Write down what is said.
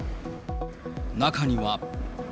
中には。